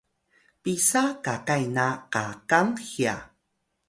pisa kakay na kakang hya?